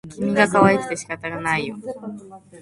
君がかわいくて仕方がないよ